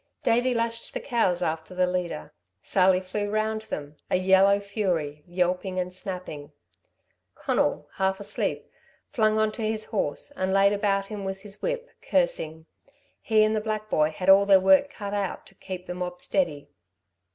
Davey lashed the cows after the leader. Sally flew round them, a yellow fury, yelping and snapping. Conal, half asleep, flung on to his horse, and laid about him with his whip, cursing. He and the black boy had all their work cut out to keep the mob steady.